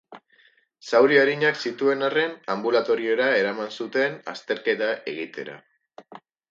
Zauri arinak zituen arren, anbulatoriora eraman zuten azterketa egitera.